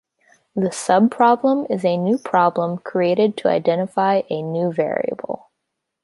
The subproblem is a new problem created to identify a new variable.